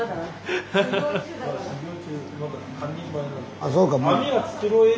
あそうか。